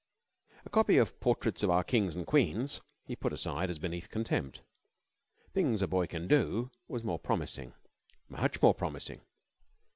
A copy of "Portraits of our Kings and Queens" he put aside as beneath contempt. "Things a Boy Can Do" was more promising. Much more promising.